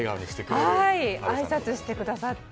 あいさつしてくださって。